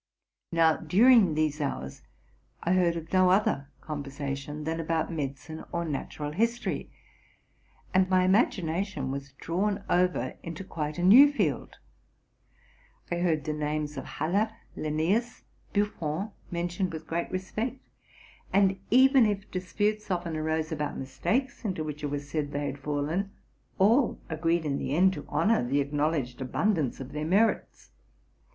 Now, during these hours, I heard no other conver sation than about mediciné or natural history, and my imagi nation was drawn over into quite a new field. I heard the names of Haller, Linnzus, Buffon, mentioned with great respect; and, even if disputes often arose about mistakes into which it was said they had fallen, all agreed in the end to honor the acknowledged abundance of their merits.